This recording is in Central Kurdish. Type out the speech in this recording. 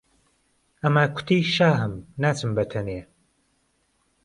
ئهماکوتی شاهم ناچم بهتهنێ